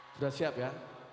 sudah siap ya